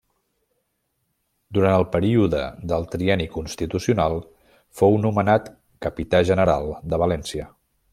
Durant el període del Trienni Constitucional, fou nomenat capità general de València.